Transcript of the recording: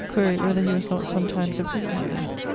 Quaere whether he was not sometimes a prisoner there?